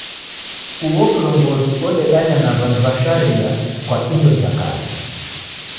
Uo kilongozi odedanya na w'andu w'a sheria kwa indo ja kaw'i.